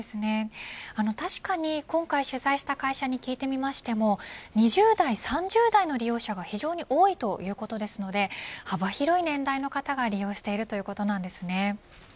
確かに、今回取材した会社に聞いてみましても２０代３０代の利用者が非常に多いということですので幅広い年代の方が利用しているということなんですね。